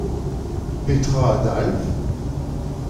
Petra a dalv ?